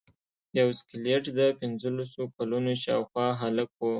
یو سکلیټ د پنځلسو کلونو شاوخوا هلک و.